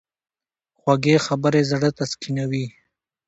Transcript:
خوږې خبرې زړه تسکینوي.